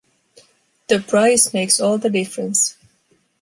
The price makes all the difference.